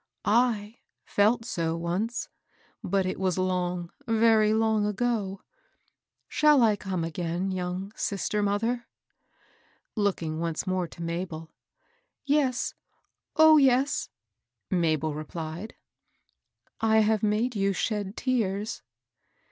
*' I felt so once ; but it was long, very long ago. Shall I come again, young sister mother ?" looking on(^e more to * Mabel. " Yes, — oh, yes I " Mabel replied, " I have made you shed tears."